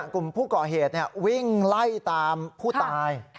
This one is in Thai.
กลุ่มผู้ก่อเหตุวิ่งไล่ตามผู้ตาย